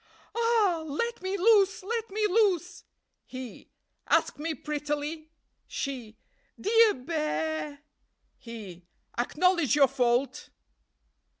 _ 'Ah! Let me loose! let me loose!' "He. 'Ask me prettily.' "She. 'Dear Bear!' "He. 'Acknowledge your fault.'